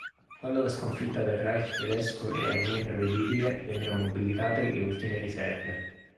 Quando la sconfitta del Reich tedesco era ormai prevedibile, vennero mobilitate le ultime riserve.